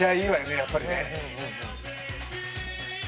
やっぱりね。